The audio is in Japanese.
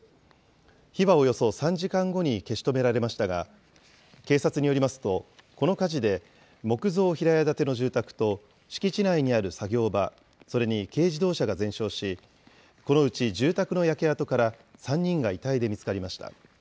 火はおよそ３時間後に消し止められましたが、警察によりますと、この火事で木造平屋建ての住宅と敷地内にある作業場、それに軽自動車が全焼し、このうち住宅の焼け跡から３人が遺体で見つかりました。